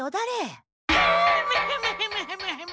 ヘムヘムヘムヘムヘムヘムヘム。